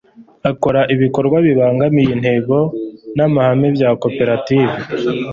ukora ibikorwa bibangamiye intego n'amahame bya koperative